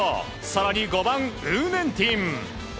更に５番、ウー・ネンティン。